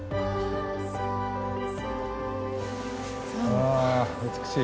はあ美しい。